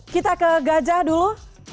kita ke gajah dulu